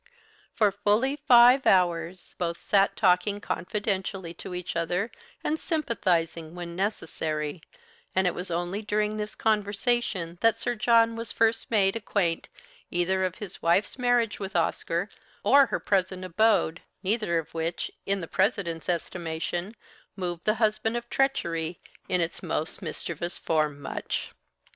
For fully five hours both sat talking confidentially to each other and sympathising when necessary, and it was only during this conversation that Sir John was first made acquaint either of his wife's marriage with Oscar or her present abode, neither of which, in the President's estimation, moved the husband of treachery in its most mischievous form much.